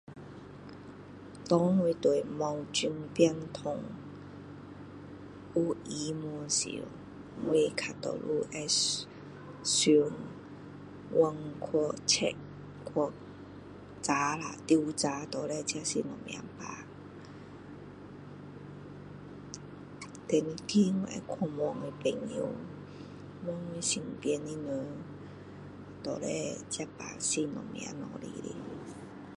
在我有病痛有疑问是我会去问去调查下是什么病第二个我会去调查下这个病到底是什么来的